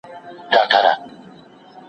تحقیقي ادب باید په دقت ولوستل سي.